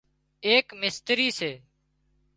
ايڪ مستري سي